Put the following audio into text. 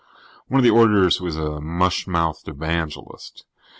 One of the orators was a mush mouthed evangelist.